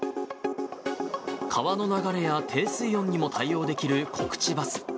川の流れや低水温にも対応できるコクチバス。